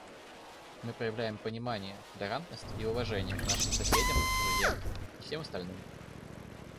Мы проявляем понимание, толерантность и уважение к нашим соседям, друзьям и всем остальным.